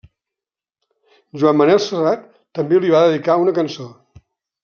Joan Manuel Serrat també li va dedicar una cançó.